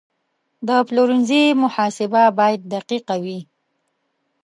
د پلورنځي محاسبه باید دقیقه وي.